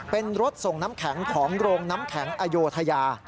เป็นรถส่งน้ำแข็งของโรงน้ำแข็งอโยธยา